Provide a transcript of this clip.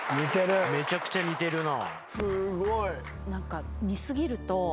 めちゃくちゃ似てるな。